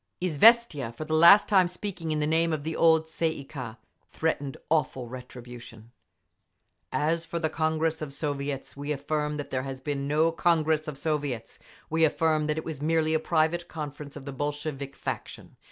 … Izviestia, for the last time speaking in the name of the old Tsay ee kah, threatened awful retribution. As for the Congress of Soviets, we affirm that there has been no Congress of Soviets! We affirm that it was merely a private conference of the Bolshevik faction!